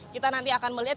kita nanti akan melihat